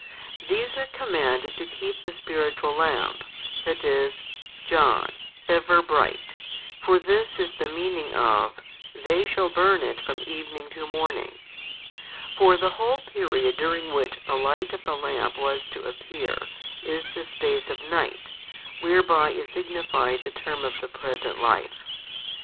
These are commanded to keep the spiritual lamp, that is, John, ever bright, for this is the meaning of, They shall burn it from evening to morning. For the whole period during which the light of the lamp was to appear, is the space of night, whereby is signified the term of the present life.